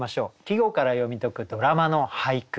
「季語から読み解くドラマの俳句」。